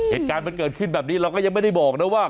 เหตุการณ์มันเกิดขึ้นแบบนี้เราก็ยังไม่ได้บอกนะว่า